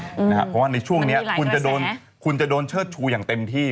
เพราะว่าในช่วงนี้คุณจะโดนคุณจะโดนเชิดชูอย่างเต็มที่